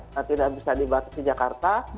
nanti bisa dibatasi jakarta